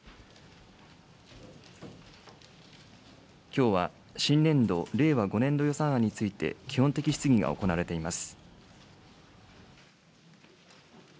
きょうは新年度・令和５年度予算案について、基本的質疑が行われています。